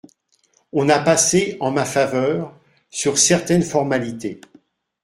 On a passé, en ma faveur, sur certaines formalités.